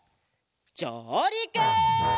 じょうりく！